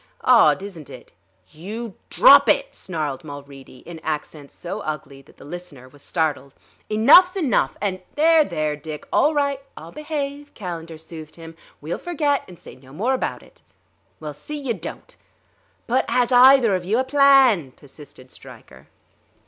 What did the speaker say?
Odd, isn't it?" "You drop it!" snarled Mulready, in accents so ugly that the listener was startled. "Enough's enough and " "There, there, Dick! All right; I'll behave," Calendar soothed him. "We'll forget and say no more about it." "Well, see you don't." "But 'as either of you a plan?" persisted Stryker.